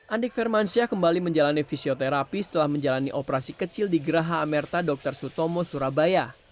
andik firmansyah kembali menjalani fisioterapi setelah menjalani operasi kecil di geraha amerta dr sutomo surabaya